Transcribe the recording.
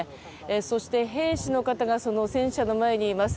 そして、兵士の方が戦車の前にいます。